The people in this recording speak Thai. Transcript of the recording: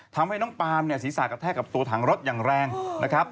ทำให้น้องปามเนี่ยศีรษะกระแทกกับตัวถังรถอย่างแรงนะครับ